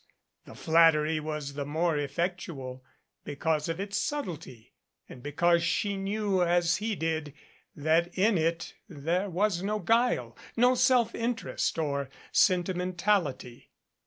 The flattery was the more effectual because of its subtlety and because she knew, as he did, that in it there was no guile, no self interest or sentimentality.